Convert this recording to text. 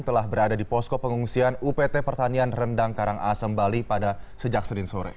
telah berada di posko pengungsian upt pertanian rendang karangasem bali pada sejak senin sore